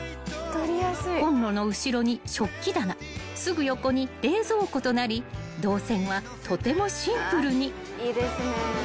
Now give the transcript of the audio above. ［こんろの後ろに食器棚すぐ横に冷蔵庫となり動線はとてもシンプルに］